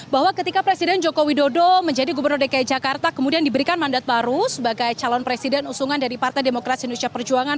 bahwa ketika presiden joko widodo menjadi gubernur dki jakarta kemudian diberikan mandat baru sebagai calon presiden usungan dari partai demokrasi indonesia perjuangan